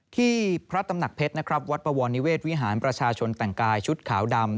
ที่พระตำหนักเพชรนะครับวัดปวรนิเวศวิหารประชาชนแต่งกายชุดขาวดำ